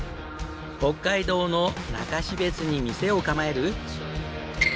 北海道の中標津に店を構える。